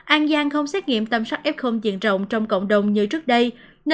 an giang không xét nghiệm tâm sắc f diện rộng trong cộng đồng như trước đây